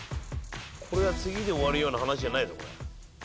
これは次で終わるような話じゃないぞ。